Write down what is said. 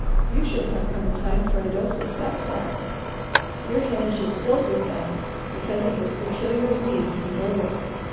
You should have come in time for a dose of sassafras. Your hedge is filled with that, because of its peculiar leaves and odour.